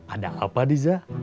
ada apa nidja